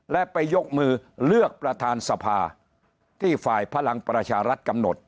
และไปยกมือเลือกประธานสภาที่ฝ่ายพลังประชารัฐกำหนด